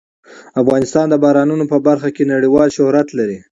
افغانستان د بارانونو په برخه کې نړیوال شهرت لري.